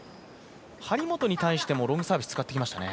張本に対してもロングサービス使ってきましたね。